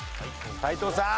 斎藤さん！